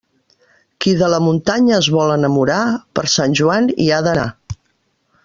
Qui de la muntanya es vol enamorar, per Sant Joan hi ha d'anar.